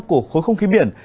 của khối không khí biển